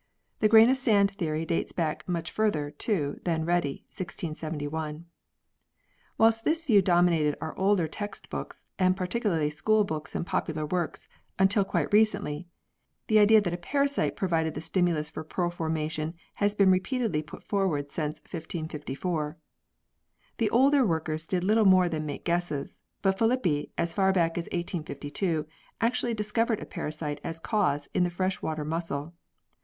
The grain of sand theory dates back much further, too, than Redi, 1671. Whilst this view dominated our older text books, and particularly school books and popular works, until quite recently, the idea that a^parasite pro vided the stimulus for pearl formation has been re peatedly put forward since 1554. The older workers did little more than make guesses, but Filippi as far back as 1852 actually discovered a parasite as cause in the fresh water mussel.